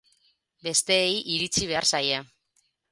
Besteei iritsi behar zaie.